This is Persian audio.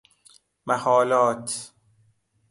محالات